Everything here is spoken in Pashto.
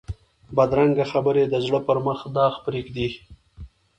بدرنګه خبرې د زړه پر مخ داغ پرېږدي